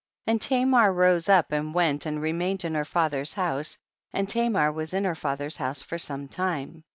28. And Tamar rose up and went and remained in her father's house, and Tamar was in her fathcT's house for some time.